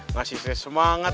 ngasih saya semangat